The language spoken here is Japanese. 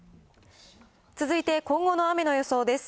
続いて今後の雨の予想です。